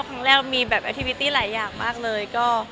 คลุมคลิปแรกมากเลย